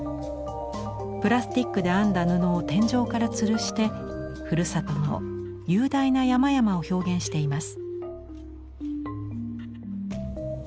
プラスチックで編んだ布を天井からつるしてふるさとの雄大な山々を表現しています。